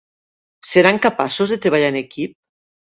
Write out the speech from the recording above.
Seran capaços de treballar en equip?